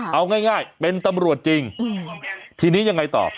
เอาง่ายเป็นตำรวจจริงทีนี้ยังไงต่อ